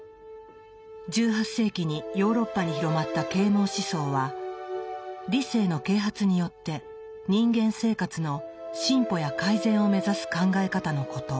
１８世紀にヨーロッパに広まった啓蒙思想は理性の啓発によって人間生活の進歩や改善を目指す考え方のこと。